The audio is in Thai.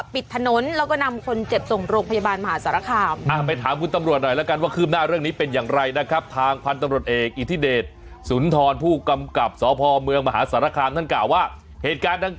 สุดท้ายที่เขาก็มาระงับเหตุเนอะมีคนบาดเจ็บด้วยแล้วก็ปิดถนน